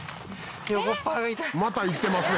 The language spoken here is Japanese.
「また行ってますね」